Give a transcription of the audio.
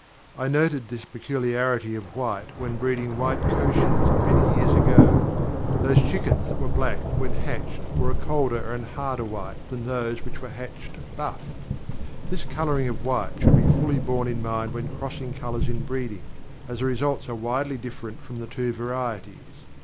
I noted this peculiarity of white when breeding white Cochins many years ago; those chickens that were black when hatched were a colder and harder white than those which were hatched buff. This colouring of white should be fully borne in mind when crossing colours in breeding, as the results are widely different from the two varieties.